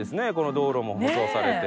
道路も舗装されて。